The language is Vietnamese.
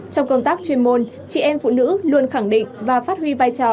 trong công tác chuyên môn chị em phụ nữ luôn khẳng định và phát huy vai trò